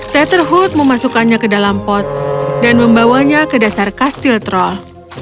tetherhood memasukkannya ke dalam pot dan membawanya ke dasar kastil troll